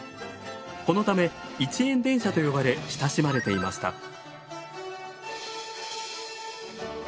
このため「一円電車」と呼ばれ親しまれていました。